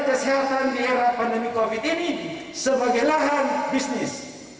sebagai lahan bisnis